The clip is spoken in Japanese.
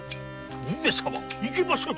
上様いけませぬ！